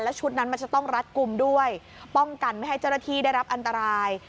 ชุดนั้นมันจะต้องรัดกลุ่มด้วยป้องกันไม่ให้เจ้าหน้าที่ได้รับอันตราย